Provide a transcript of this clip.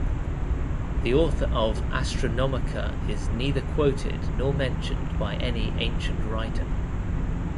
The author of Astronomica is neither quoted nor mentioned by any ancient writer.